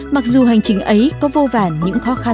mặc dù hành trình ấy có vô vàn những khó khăn